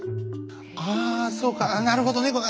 あそうかなるほど猫か。